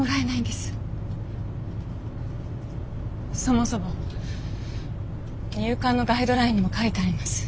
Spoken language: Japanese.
そもそも入管のガイドラインにも書いてあります。